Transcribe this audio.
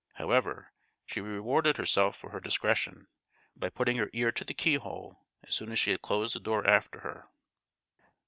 However, she rewarded herself for her discretion, by putting her ear to the keyhole, as soon as she had closed the door after her.